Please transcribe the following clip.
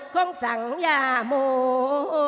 ของสังยามู